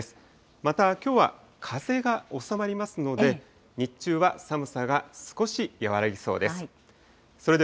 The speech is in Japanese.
またきょうは、風が収まりますので、日中は寒さが少し和らぎそうです。